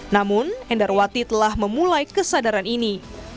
namun endarwati telah memulai kesadaran ini